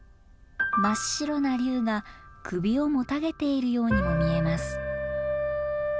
真っ白な竜が首をもたげているようにも見えます。